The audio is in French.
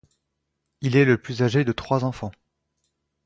Il est le plus âgé de trois enfants.